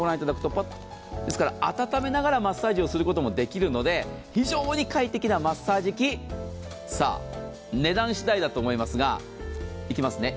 温めながらマッサージをすることもできるで、非常に快適なマッサージ器、値段次第だと思いますが、いきますね。